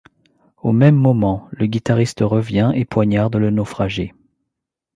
Au même moment, le guitariste revient et poignarde le naufragé.